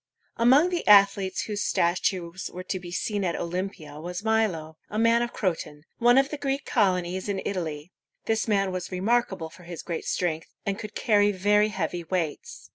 Among the athletes whose statues were to be seen at Olympia was Mi´lo, a man of Cro´ton, one of the Greek colonies in Italy. This man was remarkable for his great strength, and could carry very heavy weights.